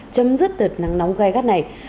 chấm dứt tợt nắng nóng gai gắt này